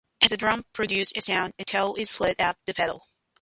As the drum produces a sound, the toe is slid up the pedal.